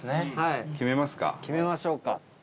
八乙女：決めましょうか。